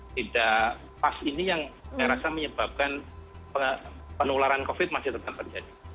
tidak pas ini yang saya rasa menyebabkan penularan covid masih tetap terjadi